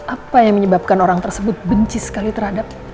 apa yang menyebabkan orang tersebut benci sekali terhadap